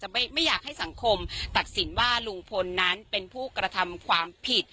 ไม่ไม่อยากให้สังคมตัดสินว่าลุงพลนั้นเป็นผู้กระทำความผิด